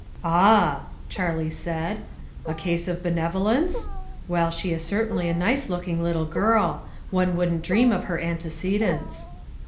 AH," Charlie said, "a case of benevo lence ? Well, she is certainly a nice looking little girl ; one wouldn't dream of her antecedents."